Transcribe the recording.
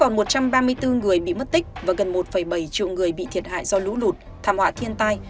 còn một trăm ba mươi bốn người bị mất tích và gần một bảy triệu người bị thiệt hại do lũ lụt thảm họa thiên tai